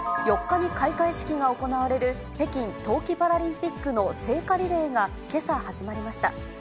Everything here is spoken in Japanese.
４日に開会式が行われる北京冬季パラリンピックの聖火リレーがけさ始まりました。